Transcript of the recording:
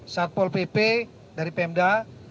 satpol pp dari pemda